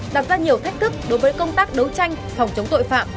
đặt ra nhiều thách thức đối với công tác đấu tranh phòng chống tội phạm